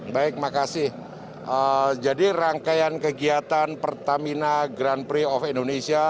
baik makasih jadi rangkaian kegiatan pertamina grand prix of indonesia